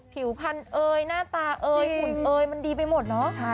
ผิวพันธุ์เอ่ยหน้าตาเอยหุ่นเอยมันดีไปหมดเนอะ